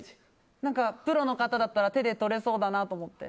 プロの方だったら手でとれそうだなと思って。